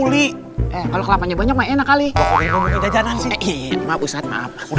lihat tuh bukannya setan